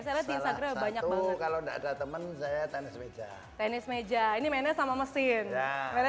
saya lihat di instagram banyak kalau enggak ada temen saya tenis meja tenis meja ini mainnya